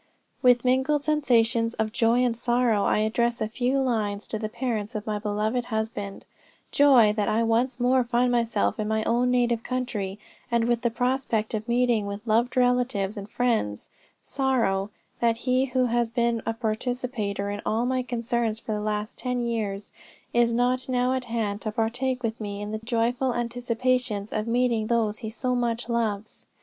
"With mingled sensations of joy and sorrow, I address a few lines to the parents of my beloved husband, joy, that I once more find myself in my own native country, and with the prospect of meeting with loved relatives and friends sorrow, that he who has been a participator in all my concerns for the last ten years, is not now at hand to partake with me in the joyful anticipations of meeting those he so much loves.